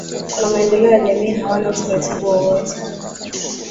kuna maendeleo ya jamii hawana utaratibu wowote